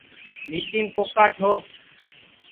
بھِیتِیم کوکا ٹھوک